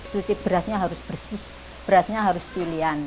cuci berasnya harus bersih berasnya harus pilihan